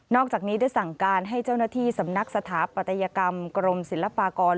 อกจากนี้ได้สั่งการให้เจ้าหน้าที่สำนักสถาปัตยกรรมกรมศิลปากร